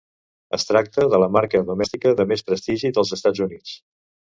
Es tracta de la marca domèstica de més prestigi dels Estats Units.